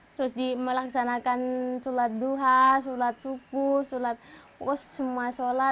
terus dimelaksanakan sulat duha sulat suku sulat kos semua solat